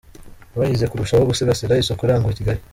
Bahize kurushaho gusigasira isuku irangwa i Kigali.